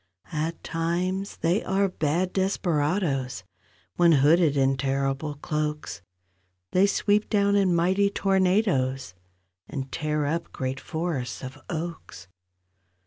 At times they are bad desperadoes— When hooded in terrible cloaks— They sweep down in mighty tornadoes And tear up great forests of oaks.